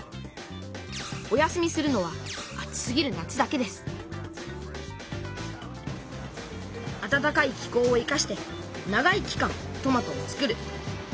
お休みするのは暑すぎる夏だけですあたたかい気候を生かして長い期間トマトを作る。